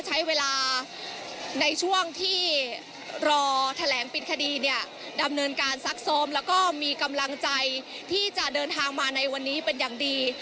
ใช้เวลาในช่วงที่รอแถลงปิดคดีเนี่ยดำเนินการซักซ้อมแล้วก็มีกำลังใจที่จะเดินทางมาในวันนี้เป็นอย่างดี